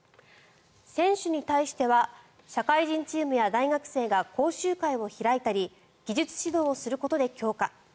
選手に対しては社会人チームや大学生が講習会を開いたり技術指導をすることで強化。